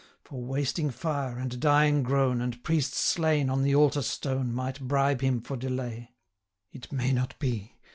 For wasting fire, and dying groan, 955 And priests slain on the altar stone, Might bribe him for delay. It may not be!